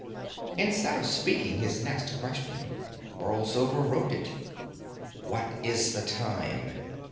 Instead of speaking his next question, Borlsover wrote it. "What is the time?"